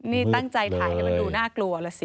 นี่ตั้งใจถ่ายให้มันดูน่ากลัวแล้วสิ